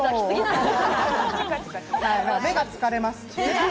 目が疲れます。